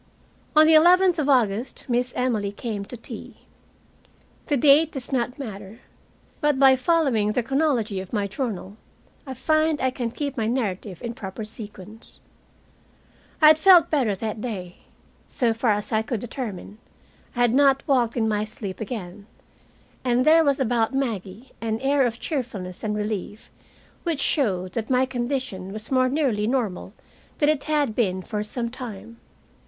On the eleventh of August Miss Emily came to tea. The date does not matter, but by following the chronology of my journal I find I can keep my narrative in proper sequence. I had felt better that day. So far as I could determine, I had not walked in my sleep again, and there was about Maggie an air of cheerfulness and relief which showed that my condition was more nearly normal than it had been for some time.